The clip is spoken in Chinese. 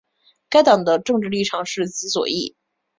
该党的政治立场是极左翼。